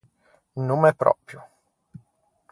Nomme pròpio.